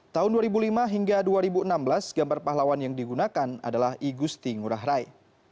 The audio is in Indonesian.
tahun dua ribu lima hingga dua ribu enam belas gambar pahlawan yang digunakan adalah igusti ngurah rai